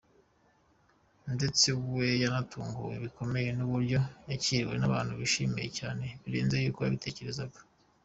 Ndetse we yanatunguwe bikomeye n’uburyo yakiriwe, abantu barayishimiye cyane birenze uko yabitekerezaga.